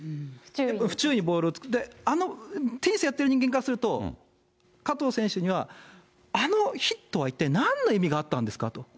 不注意にボールを打つ、あのテニスやってる人間からすると、加藤選手にはあのヒットは一体なんの意味があったんですかと。